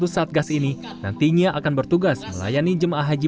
satu ratus lima puluh satu satgas ini nantinya akan bertugas melayani jemaah haji